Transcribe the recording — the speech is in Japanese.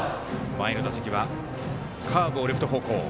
前の打席はカーブをレフト方向。